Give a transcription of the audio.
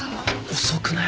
遅くない？